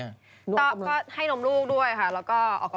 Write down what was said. ก็ให้นมลูกด้วยค่ะแล้วก็ออกกำลังใหญ่